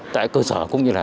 tại cơ sở cũng như là